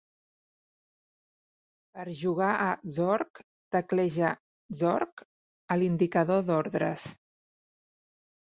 Per jugar a Zork, tecleja "zork" a l'indicador d'ordres.